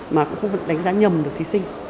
mà cũng không đánh giá nhầm được thí sinh